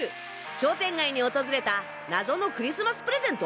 商店街に訪れた謎のクリスマスプレゼント？